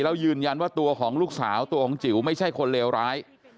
แล้วยืนยันว่าตัวของลูกสาวตัวของจิ๋วไม่ใช่คนเลวร้าย